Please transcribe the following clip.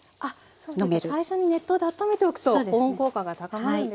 そうか最初に熱湯で温めておくと保温効果が高まるんですね。